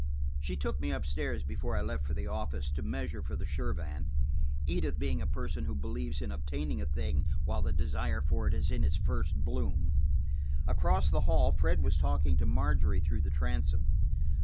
She took me up stairs before I left for the office to measure for the Shirvan, Edith being a person who believes in obtaining a thing while the desire for it is in its first bloom. Across the hall Fred was talking to Margery through the transom.